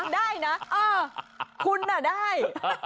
ได้นะเออคุณน่ะได้